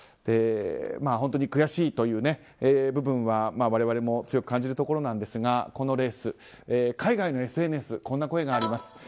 本当に悔しいという部分は我々も強く感じるところですがこのレース、海外のＳＮＳこんな声があります。